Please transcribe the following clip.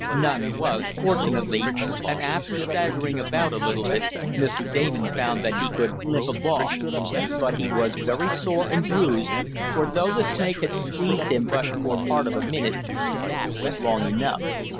None was, fortunately, and after staggering about a bit Mr. Damon found that he could limp along. But he was very sore and bruised, for, though the snake had squeezed him but for part of a minute, that was long enough.